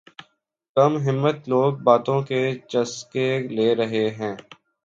کم ہمت لوگ باتوں کے چسکے لے رہے ہیں